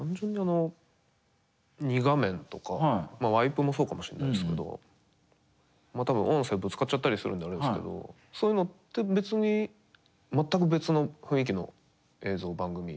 ２画面とかワイプもそうかもしれないですけど多分音声ぶつかっちゃたりするんであれですけどそういうのって別に全く別の雰囲気の映像番組。